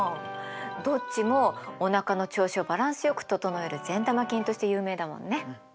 どっちもおなかの調子をバランスよく整える善玉菌として有名だもんね。